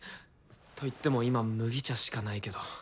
といっても今麦茶しかないけど。